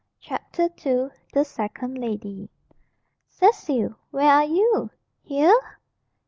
CHAPTER II. THE SECOND LADY. "Cecil! Where are you? Here?"